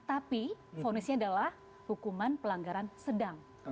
tapi fonisnya adalah hukuman pelanggaran sedang